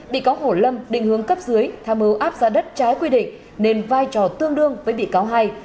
bị cáo hổ lâm định hướng cấp dưới tham mưu áp giá đất trái quy định nên vai trò tương đương với bị cáo hai